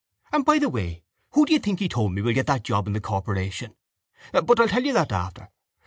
And, by the way, who do you think he told me will get that job in the corporation? But I'll tell you that after.